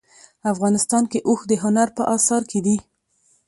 افغانستان کې اوښ د هنر په اثار کې دي.